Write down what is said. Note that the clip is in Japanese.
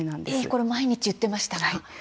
これ毎日言ってました。